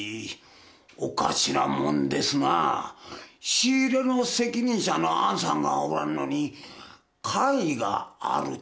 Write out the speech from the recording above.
仕入れの責任者のあんさんがおらんのに会議があるちゅうのもなぁ。